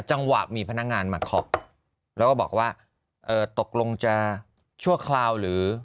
จังหวะมีพนักงานมาเคาะแล้วก็บอกว่าเอ่อตกลงจะชั่วคราวหรือ